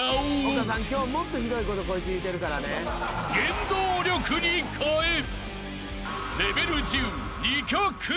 ［原動力に変え］